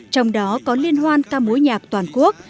trong đó có liên hoan ca mối nhạc toàn quốc